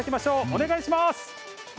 お願いします。